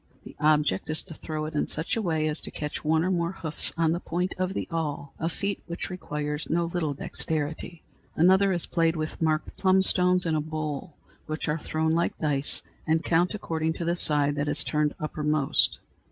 The object is to throw it in such a way as to catch one or more hoofs on the point of the awl, a feat which requires no little dexterity. Another is played with marked plum stones in a bowl, which are thrown like dice and count according to the side that is turned uppermost.